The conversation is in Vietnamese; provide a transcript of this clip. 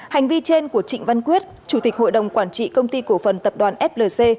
hành vi trên của trịnh văn quyết chủ tịch hội đồng quản trị công ty cổ phần tập đoàn flc